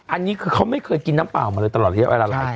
อันนี้เค้าไม่เกิดกินน้ำเปล่าไปตลอดไปหลักน้ำเปลี่ยว